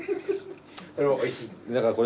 それはおいしい？